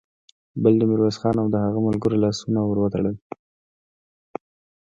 بل د ميرويس خان او د هغه د ملګرو لاسونه ور وتړل.